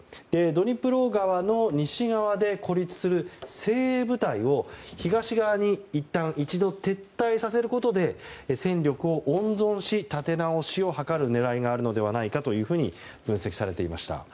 ドニプロ川の西側で孤立する精鋭部隊を東側に一度撤退させることで戦力を温存し、立て直しを図る狙いがあるのではないかと分析されていました。